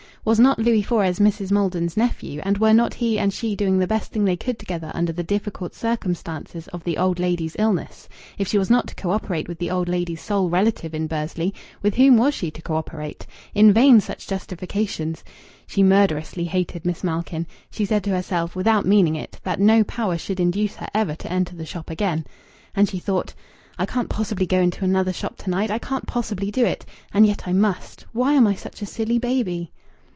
Was not Louis Fores Mrs. Maiden's nephew, and were not he and she doing the best thing they could together under the difficult circumstances of the old lady's illness? If she was not to co operate with the old lady's sole relative in Bursley, with whom was she to co operate? In vain such justifications!... She murderously hated Miss Malkin. She said to herself, without meaning it, that no power should induce her ever to enter the shop again. And she thought: "I can't possibly go into another shop to night I can't possibly do it! And yet I must. Why am I such a silly baby?"